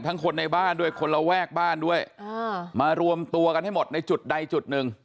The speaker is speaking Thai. คนในบ้านด้วยคนระแวกบ้านด้วยมารวมตัวกันให้หมดในจุดใดจุดหนึ่ง